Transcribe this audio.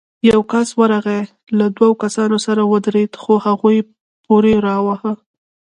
يو کس ورغی، له دوو کسانو سره ودرېد، خو هغوی پورې واهه.